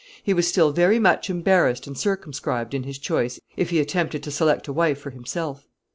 he was still very much embarrassed and circumscribed in his choice if he attempted to select a wife for himself.